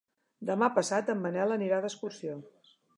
Demà passat en Manel anirà d'excursió.